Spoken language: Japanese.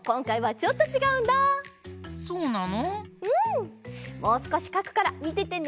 もうすこしかくからみててね！